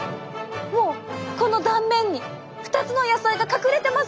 もうこの断面に２つの野菜が隠れてますよ！